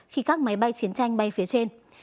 khi các máy bay chiến tranh bay phía trên